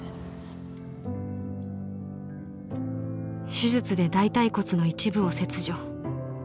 手術で大たい骨の一部を切除。